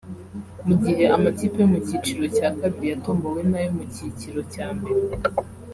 Mu gihe amakipe yo mu cyiciro cya kabiri yatombowe n’ayo mu cyikiro cya mbere